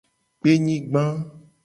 Kpenyigba.